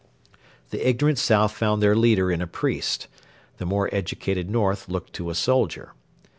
The ignorant south found their leader in a priest: the more educated north looked to a soldier.